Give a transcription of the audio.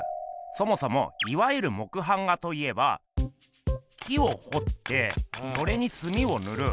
そもそもいわゆる木版画といえば木をほってそれにすみをぬる。